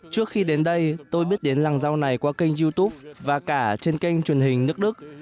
trước khi đến đây tôi biết đến làng rau này qua kênh youtube và cả trên kênh truyền hình nước đức